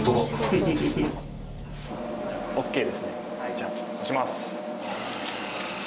じゃあいきます。